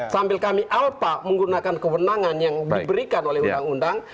sambil kami alpa menggunakan kewenangan yang diberikan oleh undang undang